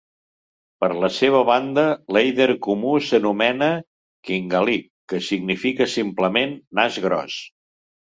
Per la seva banda, l'èider comú s'anomena "kingalik" que significa, simplement, "nas gros".